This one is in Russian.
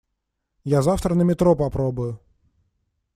Я завтра на метро попробую.